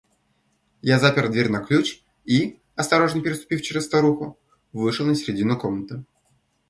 Я запер дверь на ключ и, осторожно переступив через старуху, вышел на середину комнаты.